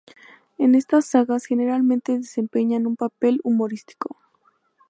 En estas sagas, generalmente desempeñan un papel humorístico.